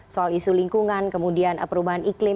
soal isu lingkungan kemudian perubahan iklim